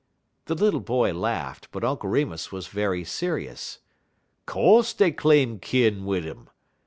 The little boy laughed; but Uncle Remus was very serious. "Co'se dey claim kin wid 'im.